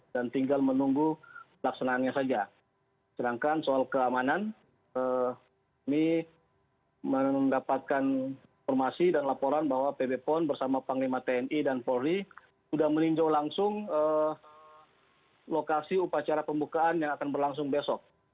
dan tinggal menunggu laksanaannya saja sedangkan soal keamanan kami mendapatkan informasi dan laporan bahwa pp pon bersama panglima tni dan polri sudah meninjau langsung lokasi upacara pembukaan yang akan berlangsung besok